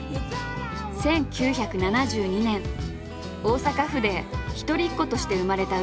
１９７２年大阪府で一人っ子として生まれたＵＡ。